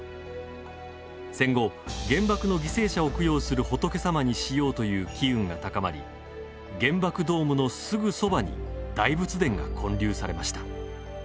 戦後、原爆の犠牲者を供養する仏様にしようという機運が高まり原爆ドームのすぐそばに大仏殿が建立されました。